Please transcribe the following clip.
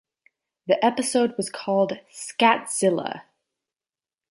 The episode was called "ScatZilla!".